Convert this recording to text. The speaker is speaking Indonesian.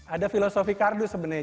ada filosofi kardus sebenarnya